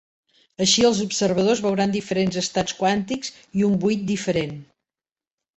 Així, els observadors veuran diferents estats quàntics i un buit diferent.